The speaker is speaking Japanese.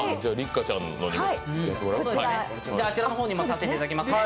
あちらの方にもさせていただきますね。